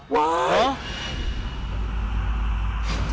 ว้าวฮะ